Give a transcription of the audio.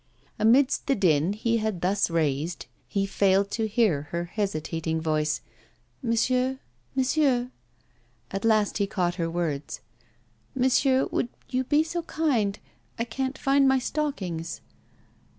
Amidst the din he had thus raised, he failed to hear her hesitating voice, 'Monsieur, monsieur ' At last he caught her words. 'Monsieur, would you be so kind I can't find my stockings.